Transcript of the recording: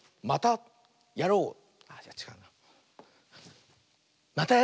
「またやろう！」。